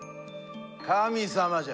神様じゃ。